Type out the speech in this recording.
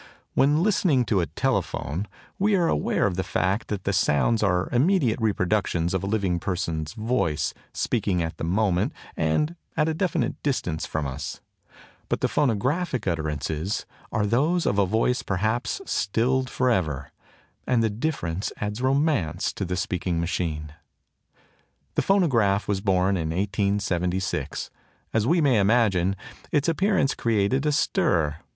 When listening to a telephone we are aware of the fact that the sounds are immediate reproductions of a living person's voice, speaking at the moment and at a definite distance from us; but the phonographic utterances are those of a voice perhaps stilled for ever, and the difference adds romance to the speaking machine. The Phonograph was born in 1876. As we may imagine, its appearance created a stir.